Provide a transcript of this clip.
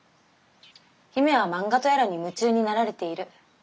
姫は漫画とやらに夢中になられている。